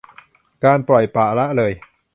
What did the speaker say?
การปล่อยปละละเลย